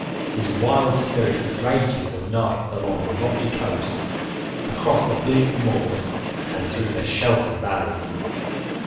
His wild spirit rages of nights along the rocky coasts, across the bleak moors and through the sheltered valleys.